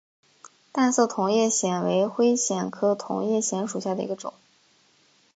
淡色同叶藓为灰藓科同叶藓属下的一个种。